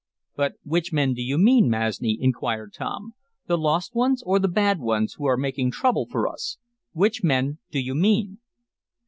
"But which men do you mean, Masni?" inquired Tom. "The lost men, or the bad ones, who are making trouble for us? Which men do you mean?"